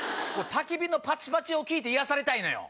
たき火のパチパチを聞いて癒やされたいのよ。